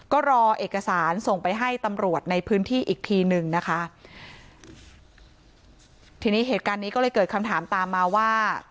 ก็รอเอกสารส่งไปให้ตำรวจในพื้นที่อีกทีหนึ่งนะคะทีนี้เหตุการณ์นี้ก็เลยเกิดคำถามตามมาว่า